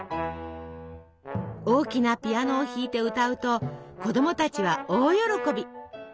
大きなピアノを弾いて歌うと子どもたちは大喜び！